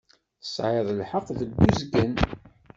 Tesεiḍ lḥeqq deg uzgen.